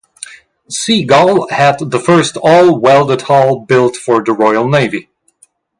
"Seagull" had the first all-welded hull built for the Royal Navy.